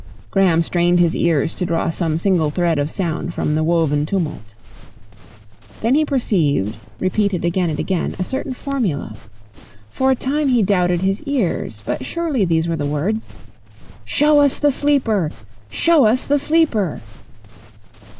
Graham strained his ears to draw some single thread of sound from the woven tumult. Then he perceived, repeated again and again, a certain formula. For a time he doubted his ears. But surely these were the words: "Show us the Sleeper! Show us the Sleeper!"